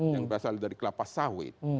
yang berasal dari kelapa sawit